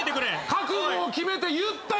覚悟を決めて言ったよ！